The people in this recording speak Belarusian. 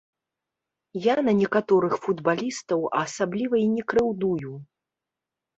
Я на некаторых футбалістаў асабліва і не крыўдую.